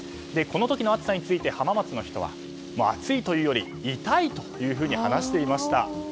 この時の暑さについて浜松の人は暑いというより痛いというふうに話していました。